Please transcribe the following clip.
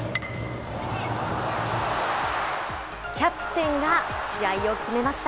キャプテンが試合を決めました。